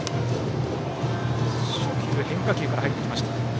変化球から入ってきました。